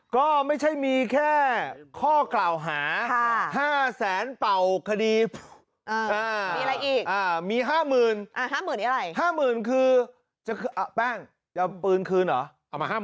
ก็ไม่ใช่มีแค่ข้อกล่าวหา๕แสนเป่าคดีมี๕๐๐๐๐คือแป้งยังปืนคืนหรอ